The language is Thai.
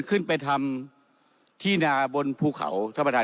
ขึ้นไปทำที่นาบนภูเขา